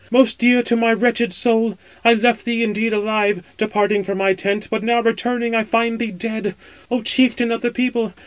most dear to my wretched soul, I left thee indeed alive, departing from my tent, but now returning, I find thee dead, O chieftain of the people!